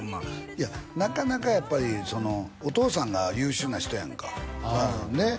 いやなかなかやっぱりお父さんが優秀な人やんかねっ